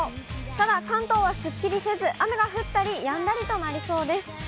ただ、関東はすっきりせず、雨が降ったりやんだりとなりそうです。